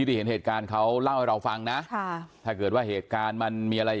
ที่เห็นเหตุการณ์เขาเล่าให้เราฟังนะค่ะถ้าเกิดว่าเหตุการณ์มันมีอะไร